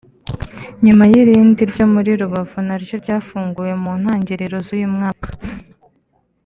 nyuma y’irindi ryo muri Rubavu naryo ryafunguwe mu ntangiriro z’uyu mwaka